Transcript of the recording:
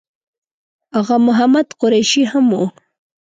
آغا محمد قریشي هم و.